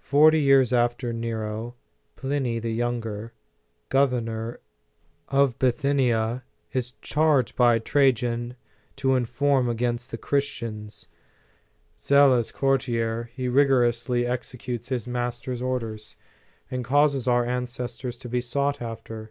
Forty years after Nero, Pliny the Younger, governor of Bithynia, is charged by Trajan to : nform against the Christians. Zealous cour *Apol., c. 44. 4O The Sign of the Cross tier, he rigorously executes his master s orders, and causes our ancestors to be sought after.